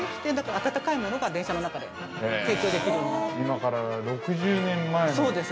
温かいものが電車の中で提供できるようになった。